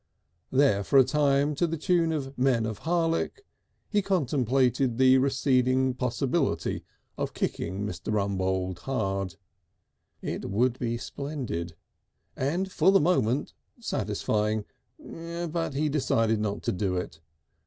There for a time, to the tune of "Men of Harlech," he contemplated the receding possibility of kicking Mr. Rumbold hard. It would be splendid and for the moment satisfying. But he decided not to do it.